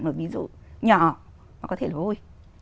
một ví dụ nhỏ mà có thể lối